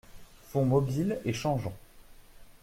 Fonds mobile et changeant.